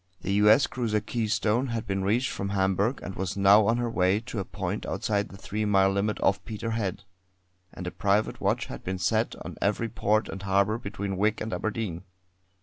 The U. S. cruiser Keystone had been reached from Hamburgh, and was now on her way to a point outside the three mile limit off Peterhead; and a private watch had been set on every port and harbour between Wick and Aberdeen.